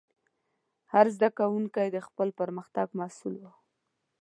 هر زده کوونکی د خپل پرمختګ مسؤل و.